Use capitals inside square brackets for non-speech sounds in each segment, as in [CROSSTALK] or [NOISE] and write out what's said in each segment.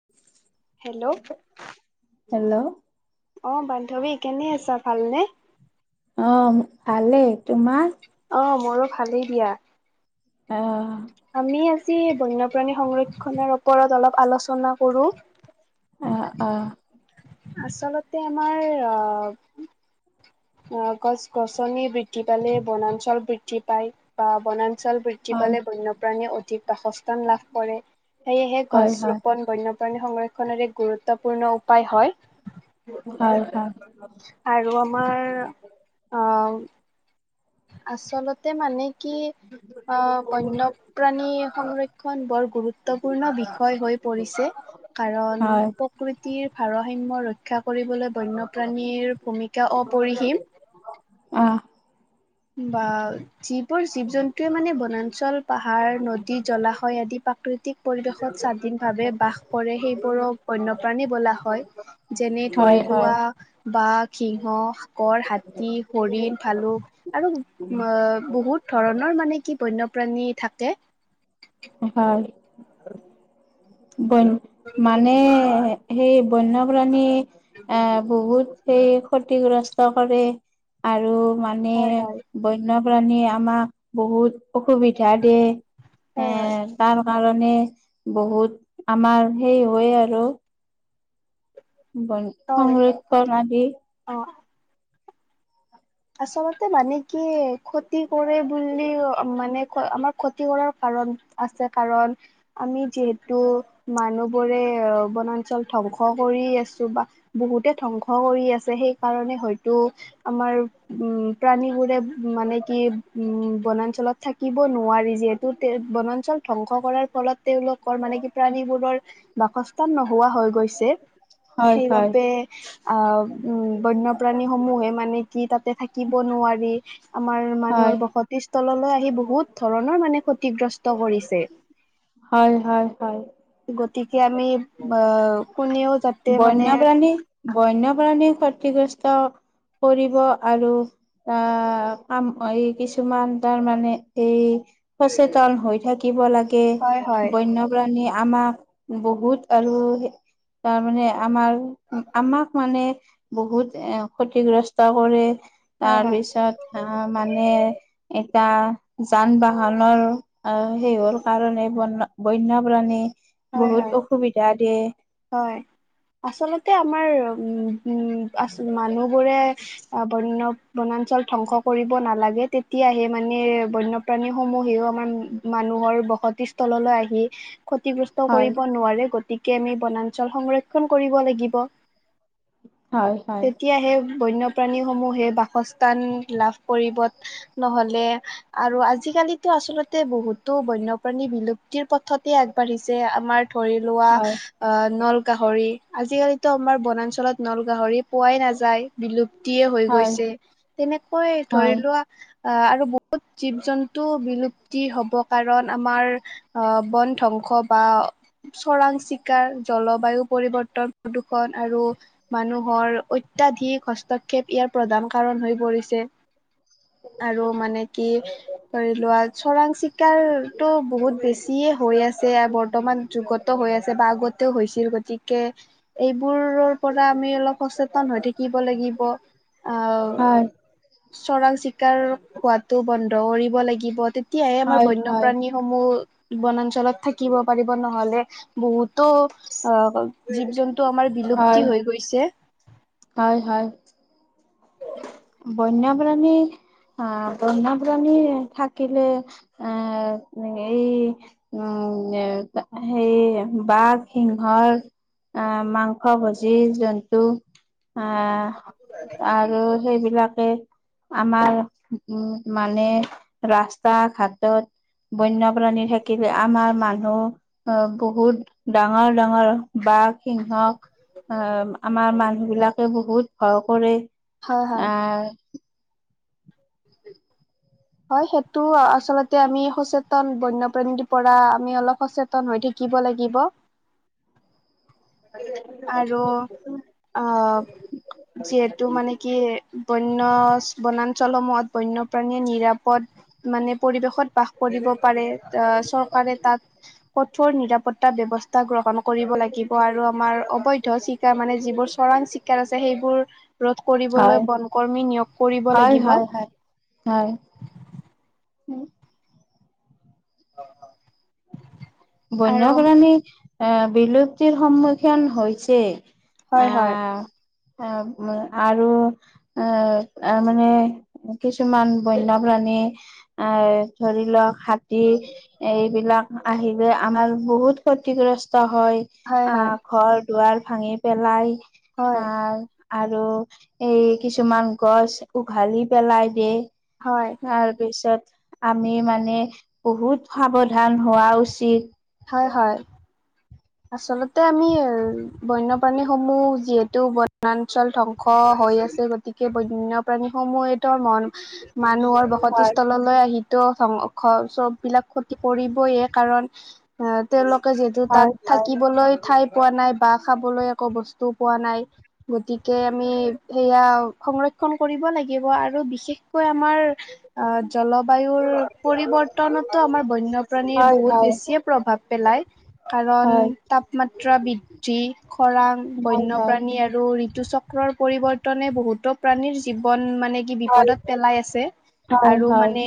[UNINTELLIGIBLE] Hello hello অ', বান্ধৱী কেনে আছা ভালনে? অ', ভালে তোমাৰ? অ', মোৰো ভালেই দিয়া। অ'। আমি আজি বন্যপ্ৰাণী সংৰক্ষণৰ ওপৰত অলপ আলোচনা কৰোঁ। অ', অ'। আচলতে আমাৰ অ'। অ', গছ-গছনি বৃদ্ধি পালে বনাঞ্চল বৃদ্ধি পায় বা বনাঞ্চল বৃদ্ধি। বৃদ্ধি হয় পালে বন্যপ্ৰাণীয়ে অধিক বাসস্থান লাভ কৰে, সেয়েহে গছ হয় হয় ৰোপন। বন্যপ্ৰাণী সংৰক্ষণৰ এক গুৰুত্বপূৰ্ণ উপায় হয়। হয়, হয়। আৰু আমাৰ অ'। আচলতে মানে কি অ', বন্য প্ৰাণী সংৰক্ষণ বৰ গুৰুত্বপূৰ্ণ বিষয় হৈ পৰিছে। কাৰণ। হয় প্ৰকৃতিৰ ভাৰসাম্য ৰক্ষা কৰিবলৈ বন্যপ্ৰাণীৰ ভূমিকা অপৰিসীম। উম। বা যিবোৰ জীৱ জন্তুৱে মানে বনাঞ্চল পাহাৰ নদী জলাশয় আদি প্ৰাকৃতিক। পৰিৱেশত স্বাধীনভাৱে বাস কৰে, সেইবোৰো বন্যপ্ৰাণী বোলা হয়। যেনে হয় ধৰি হয় লোৱা। বাঘ, সিংহ, গড়, হাতী, হৰিণ, ফালুক। আৰু বহুত ধৰণৰ মানে কি বন্যপ্ৰাণী থাকে। হয়। বন মানে সেই বন্যপ্ৰাণী এ বহুত। সেই ক্ষতিগ্ৰস্ত কৰে আৰু মানে। হয় হয় বন্যপ্ৰাণীয়ে আমাক বহুত অসুবিধা দিয়ে এ হয় তাৰ কাৰণে বহুত আমাৰ সেই হয় আৰু। ব সংৰক্ষণ আদি। অহ। আচলতে মানে কি ক্ষতি কৰে বুলি, মানে কি আমাৰ ক্ষতি কৰাৰ কাৰণ আছে কাৰণ আমি যিহেতু মানুহবোৰে বনাঞ্চল ধ্বংস কৰি আছোঁ বা বহুতে ধ্বংস কৰি আছে, সেইকাৰণে হয়তো আমাৰ উম, প্ৰাণীবোৰে মানে কি উম, বনাঞ্চলত থাকিব নোৱাৰি যিহেতু বনাঞ্চল ধ্বংস কৰাৰ ফলত তেওঁলোকৰ মানে কি প্ৰাণীবোৰ বাসস্থান নোহোৱা হৈ গৈছে, হয় হয় সেইবাবে অহ', উম' বন্যপ্ৰাণীসমূহে মানে কি তাতে থাকিব নোৱাৰি। আমাৰ হয়, মানুহৰ বসতি স্থললৈ আহি বহুত ধৰণৰ মানে ক্ষতিগ্ৰস্ত কৰিছে। হয়, হয়, হয়। গতিকে আমি অহ, কোনেও যাতে মানে বন্যপ্ৰাণী বন্যপ্ৰাণী ক্ষতিগ্ৰস্ত কৰিব আৰু ত' কাম এই কিছুমান তাৰমানে এই সচেতন হৈ থাকিব লাগে। হয় হয় বন্য বন্যপ্ৰাণী আমাক বহুত আৰু তাৰমানে আমাৰ আমাক মানে। বহুত এ ক্ষতিগ্ৰস্ত কৰে হয় হয় তাৰপিছত অহ, মানে এতিয়া যান-বাহনৰো অহ, সেই হৰ কাৰণে বন-বন্যপ্ৰাণী হয় হয় বহুত অসুবিধা দিয়ে। হয়। আচলতে আমাৰ উম, উম, আহ মানুহবোৰে অহ, বন্য-বনাঞ্চল ধ্বংস কৰিব নালাগে, তেতিয়াহে মানে বন্য প্ৰাণীসমূহেও আমাৰ মানুহৰ বসতি স্থললৈ আহি ক্ষতি হয় কৰিব নোৱাৰে, গতিকে আমি বনাঞ্চল সংৰক্ষণ কৰিব লাগিব। হয়, হয়। এতিয়া সেই বন্যপ্ৰাণীসমূহে বাসস্থান লাভ কৰিব নহ'লে আৰু আজিকালিতো আচলতে বহুতো বন্যপ্ৰাণী বিলুপ্তিৰ পথতে আগবাঢ়িছে। যে আমাৰ ধৰিলোৱা হয়, অহ, নলগাহৰি। আজিকালিতো আমাৰ বনাঞ্চলত নলগাহৰি পোৱাই নাযায়, বিলুপ্তিয়য়ে হৈ হয়, গৈছে। তেনেকৈ হয়, হয়। ধৰিলোৱা অহ, আৰু বহুত জীৱ-জন্তু বিলুপ্তি হ'ব কাৰণ আমাৰ অহ, বন ধ্বংস বা চৰাং চিকাৰ, জলবায়ু পৰিৱৰ্তন, প্ৰদূৰ্ষণ আৰু মানুহৰ অত্যাধিক হস্তক্ষেপ ইয়াৰ প্ৰধান কাৰণ হৈ পৰিছে। আৰু মানে কি ধৰিলোৱা চৰাং চিকাৰটো বহুত বেছিয়ে হৈ আছে আগৰ বৰ্তমান যুগত হৈ আছে বা আগতেও হৈছিল গতিকে এইবোৰৰ পৰা আমি অলপ সচেতন হৈ থাকিব লাগিব হয়, অহ চৰাং চিকাৰ হোৱোটো বন্ধ কৰিব লাগিব, তেতিয়াহে আমাৰ হয়, বন্যপ্ৰাণী সমূহ বনাঞ্চলত থাকিব পাৰিব, নহ'লে বহুতো অহ, জীৱ-জন্তু আমাৰ হয়, বিলুপ্তি হৈ গৈছে। হয়, হয়। [UNINTELLIGIBLE] বন্যপ্ৰাণী অহ, বন্যপ্ৰাণী থাকিলে অহ, এই উম, এ সেই বাঘ সিংহৰ অহ, মাংস ভোজি জন্তু অহ, আৰু সেইবিলাকে আমাৰ উম, মানে ৰাস্তা ঘাটত বন্যপ্ৰাণী থাকিলে আমাৰ মানুহ অহ, বহুত ডাঙৰ-ডাঙৰ বাঘ সিংহ আহ আমাৰ মানুহ বিলাকে বহুত ভয় কৰে হয় হয়। আহ হয় সেইটো আচলতে আমি সচেতন বন্যপ্ৰেমীৰ পৰা আমি অলপ সচেত তন হৈ থাকিব লাগিব। আৰু অ যিহেতু মানে কি বন্য বনাঞ্চলসমূহত বন্যপ্ৰাণীয়ে নিৰাপদ মানে পৰিৱেশত বাস কৰিব পাৰে আহ চৰকাৰে তাত কঠোৰ নিৰাপত্তা ব্যয়ৱস্থা গ্ৰহণ কৰিব লাগিব। আৰু আমাৰ অবৈধ চিকাৰ মানে যিবোৰ চৰাং চিকাৰ আছে সেইবোৰ ৰধ কৰিবলৈ হয় বনকৰ্মী নিয়োগ কৰিব হয় লাগিব হয় হয় হয়। আৰু বন্যপ্ৰাণী আহ বিলুপ্তিৰ সন্মুখীন হৈছে। হয় হয় আহ আহ উ আৰু আহ আ মানে কিছুমান বন্যপ্ৰাণী এই ধৰি লওক হাতী এইবিলাক আহি আমাৰ বহুত ক্ষতিগ্ৰস্ত হয় হয় আ হয় ঘৰ দুৱাৰ ভাঙি পেলাই হয় আহ আৰু এই কিছুমান গছ উঘালি পেলাই দিয়ে। হয়। তাৰপিছত আমি মানে বহুত সাৱধান হোৱা উচিত। হয় হয়। আচলতে আমি বন্যপ্ৰাণীসমূহ যিহেতু বনাঞ্চল ধ্বংস হৈ আছে গতিকে বন্যয়প্ৰাণীসমূহে ধৰ মন মানুহৰ হয় বসতিস্থললৈ আহি ত চব বিলাক ক্ষতি কৰিবয়ে কাৰণ আহ তেওঁলোকে যিহেতু হয়, তাত হয়, থাকিবলৈ ঠাই পোৱা নাই বা খাবলৈ একো বস্তুও পোৱা নাই গতিক কে আমি সেয়া সংৰক্ষ ক্ষন কৰিব লাগিব আৰু বিশেষকৈ আমাৰ আহ জলবায়ুৰ পৰিৱৰ্তনতো আমাৰ বন্যপ্ৰাণীৰ হয়, বহুত হয়, বেছিয়ে প্ৰভাৱ পেলায়। কাৰণ হয়, তাপমাত্ৰা বৃদ্ধি খৰাং হয়, হয়, বন্যপ্ৰাণী আৰু আৰু ঋতু চক্ৰৰ পৰিৱৰ্তনে বহুতো প্ৰাণীৰ জীৱন মানে কি হয়, বিপদত পেলাই আছে। হয়, আৰু হয়, মানে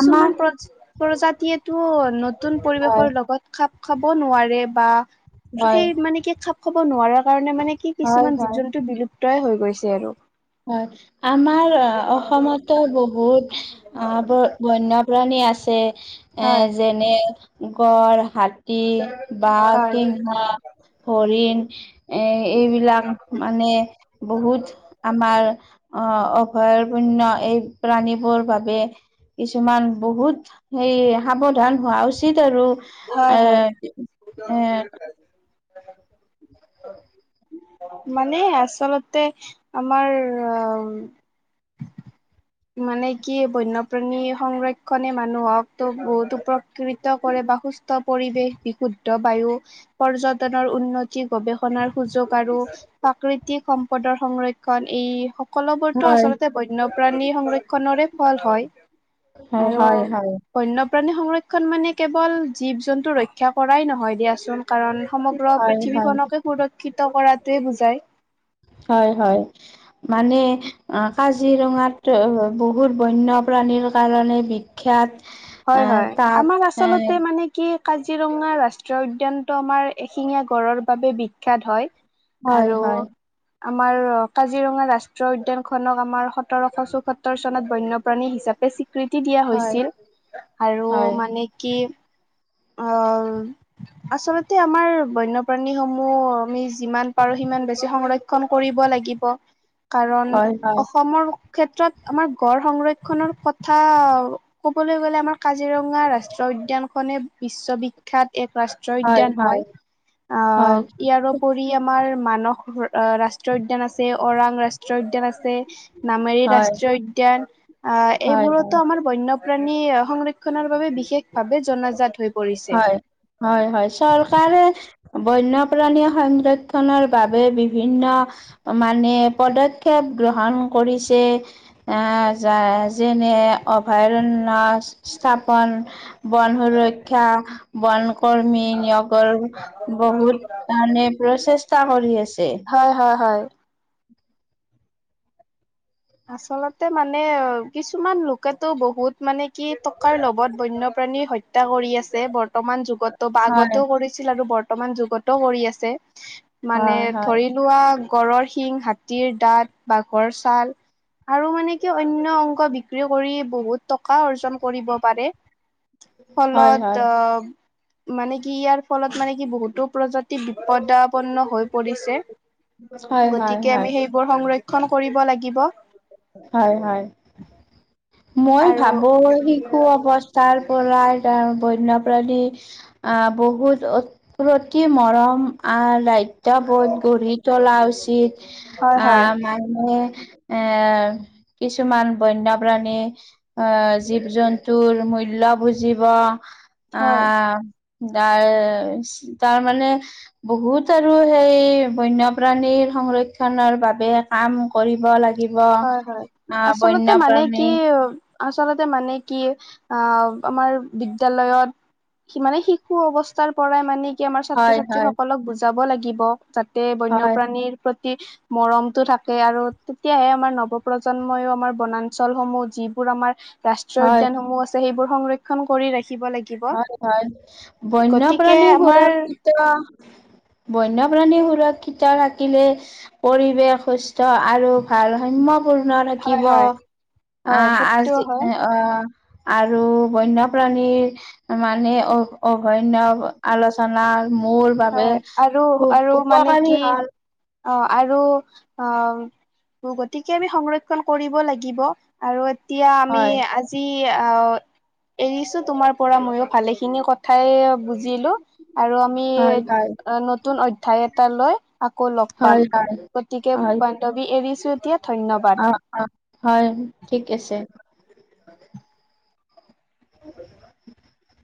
আমাৰ প্ৰজ- প্ৰজাতিয়েটো নতুন হয়, পৰিৱেশৰ লগত। খাপ খাব নোৱাৰে বা। হয়, সেই মানে কি খাপ খাব নোৱাৰা কাৰণে মানে হয়, কিছুমান জীৱ- হয়। জন্তু বিলুপ্ত। তই হৈ গৈছে আৰু। হয় আমাৰ অসমতো বহুত আ' ব- বন্য। পুৰণি আছে এ হয়, যেনে গড়, হাত টি, বাঘ, হয়, সিংহ, হৰিণ। এ- এইবিলাক মানে বহুত। আমাৰ অ' অভয়ৰপুৰ্ণ্য এই প্ৰাণীবোৰ বাবে। কিছুমান বহুত সেই সাৱধান হোৱা উচিত আৰু। হয়, হয় [UNINTELLIGIBLE] মানে আচলতে? আমাৰ। মানে কি, বন্যপ্ৰাণী সংৰক্ষনে মানুহক ত' বহুতো প্ৰকৃত কৰে বা। সুস্থ পৰিৱেশ, বিশুদ্ধ বায়ু। পৰ্যটনৰ উন্নতি, গৱেষণাৰ সুযোগ আৰু। প্ৰাকৃতিক সম্পদৰ সংৰক্ষণ ই। কলবৰতটো হয় আচলতে বন্যপ্ৰাণী সংৰক্ষণৰে ফল হয়। হয়, আৰু হয়, হয়। বন্যপ্ৰাণী সংৰক্ষণ মানে কেৱল জীৱ- জন্তু ৰক্ষা কৰাই নহয় দিয়াচোন কাৰণ। সমগ্ৰ হয় হয় পৃথিৱীখনকে সুৰক্ষিত কৰাটোৱে বুজায়। হয়, হয়। মানে, কাজিৰঙাত বহুত বন্যপ্ৰাণীৰ কাৰণে বিখ্যাত। হয়, আহ হয়। তাত আমাৰ এ আচলতে মানে কি, কাজিৰঙা ৰাষ্ট্ৰীয় উদ্যানটো আমাৰ এশিঙীয়া গড়ৰ বাবে বিখ্যাত হয়। হয় আৰু হয় আমাৰ কাজিৰঙা ৰাষ্ট্ৰীয় উদ্যানখনক, আমাৰ সতৰশ চৌসত্তৰ চনত, বন্যপ্ৰাণী হিচাপে স্বী কৃতি দিয়া হয় হৈছিল। আৰু হয় মানে কি অ' আচলতে আমাৰ বন্যপ্ৰাণীসমূহ আমি, যিমান পাৰো সিমান বেছি সংৰক্ষ ক্ষণ কৰিব লাগিব। কাৰণ, হয় হয় অসমৰ ক্ষেত্ৰত আমাৰ গড় সংৰক্ষণৰ কথা ক'বলৈ গ'লে আমাৰ কাজিৰঙা ৰাষ্ট্ৰীয় উদ্যানখনে বিশ্ববিখ্যাত এক ৰাষ্ট ষ্ট উদ্যান হয়। আ' হয় ইয়াৰ পৰি আমাৰ মানস ৰাষ্ট্ৰীয় উদ্যান, আছে অৰাং ৰাষ্ট্ৰীয় উদ্যান আছে। নামেৰি হয় ৰাষ্ট্ৰীয় উদ্যান আহ হয় হয় এইবোৰতো আমাৰ বন্য প্ৰাণী সংৰক্ষণৰ বাবে বিশেষভাৱে জনাজাত হৈ পৰিছে। হয়, হয়, হয় চৰকাৰে বন্যপ্ৰাণী সংৰক্ষনৰ বাবে বিভিন্ন মানে পদক্ষেপ গ্ৰহণ কৰিছে। আহ যা যেনে অভয়াৰণ্য স্থাপন বন সুৰক্ষা। বন কৰ্মী নিয়গৰ বহুত কাৰনে প্ৰচেষ্টা কৰি আছে। হয়, হয়, হয়। আচলতে মানে, কিছুমান লোকেতো বহুত মানে কি টকাৰ লবত বন্যপ্ৰাণী হত্যা কৰি আছে বৰ্তমান যুগতো বা হয়, আগতো কৰি ছিল বৰ্তমান যুগতো কৰি আছে মানে হয়, হয়, ধৰি লোৱা গঁড়ৰ শিং, হাতীৰ দাঁত, বাঘৰ ছাল। আৰু মানে কি অন্য অংক বিক্ৰী কৰি বহুত টকা অৰ্জন কৰিব পাৰে। হয়, ফলত হয়, অ' মানে কি ইয়াৰ ফলত মানে কি বহুতো প্ৰজা অ বিপদাপন্ন হৈ পৰিছে। হয়, হয়, গতিকে হয়, আমি সেই বোৰ সংৰক্ষণ কৰিব লাগিব। হয় হয়। মই আৰু ভাবোহি শিশু অৱস্থাৰ পৰা ত বন্যপ্ৰাণী আহ বহুত অতি মৰম আহ দায় এয়া গঢ়ি তলা উচিত হয় হয় আহ মানে এ কিছুমান বন্যপ্ৰাণী আহ, জীৱ জন্তুৰ মূল্য বুজিব হয়। আহ ত' তাৰ মানে বহুত আৰু সেই বন্যপ্ৰাণীৰ সংৰক্ষনৰৰ বাবে কাম কৰিব লাগে। লাগিব হয় হয় আ আচলতে মানে কি বন্যপ্ৰাণী আচলতে মানে, কি আ আমাৰ বিদ্যালয়ত মানে, শিশু অৱস্থাৰ পৰাই মানে কি আমাৰ ছাত্ৰ হয়, ছাত্ৰী হয়, সকলক বুজাব লাগিব যাতে হয়, বন্যপ্ৰাণীৰ প্ৰতি মৰমতটো থাকে আৰু তেতিয়াহে আমাৰ নৱপ্ৰজন্মইও, আমাৰ বনাঞ্চলসমূহ যিবোৰ আমাৰ ৰাষ্ট্ৰীয় হয়, উদ্যয়ান সমূহ আছে। সেইবোৰ সংৰক্ষণ কৰি ৰাখিব লাগিব। হয় হয়। বন্য গতিকে প্ৰাণী আমাৰ সূৰক্ষিত বন্যপ্ৰাণী সুৰক্ষিত থাকিলে-' পৰিৱেশ সুস্থ আৰু ভাৰ সাম্য়পূৰ্ণ হয় থাকিব হয় অ' হয় সেইটো আজি হয় অ' আৰু বন্যপ্ৰাণীৰ মানে অ', অগণ্য আলোচনা মোৰ বাবে হয় আৰু আৰু খুব মানে কি উপকাৰী হল। অ', আৰু আ, গতিকে আমি সংৰক্ষণ কৰিব লাগিব। আৰু এতিয়া আমি হয়, আজি অ', এৰিছো তোমাৰ পৰা ময়ো ভালে খিনি কথাই বুজিলো আৰু আমি হয়, হয়, নতুন অধ্যয়ায় এটা লৈ আকৌ লগ পাম হয়, হয়, গতিকে হয়, বান্ধৱী এৰিছো এতিয়া ধন্যবাদ। অ', হয় ঠিক আছে। [INAUDIBLE]